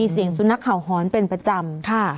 สุโนท์นักข่าวหอนเป็นประจำ